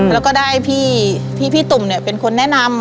แล้วก็ได้พี่ตุ่มเป็นคนแนะนำ